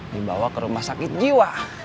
dibawa ke rumah sakit jiwa